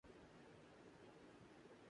میں بالکل اسی بارے میں سوچ رہا تھا